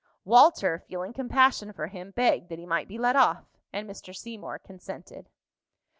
Walter, feeling compassion for him, begged that he might be let off; and Mr. Seymour consented.